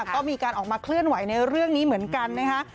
ก็มีการออกมาเคลื่อนไหวในเรื่องนี้เหมือนกันนะคะ